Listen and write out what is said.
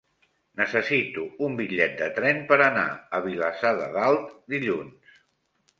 Necessito un bitllet de tren per anar a Vilassar de Dalt dilluns.